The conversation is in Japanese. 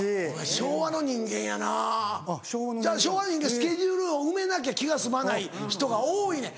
昭和の人間はスケジュールを埋めなきゃ気が済まない人が多いねん。